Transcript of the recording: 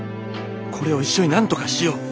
これを一緒になんとかしよう！